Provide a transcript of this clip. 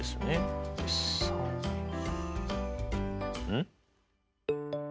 ん？